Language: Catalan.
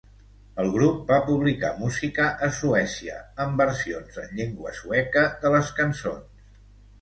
El grup va publicar música a Suècia amb versions en llengua sueca de les cançons.